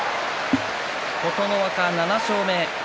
琴ノ若、７勝目。